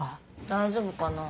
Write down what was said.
大丈夫かなぁ。